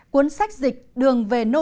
cuốn sách dịch đường về tổng thống